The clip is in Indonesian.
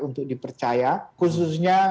untuk dipercaya khususnya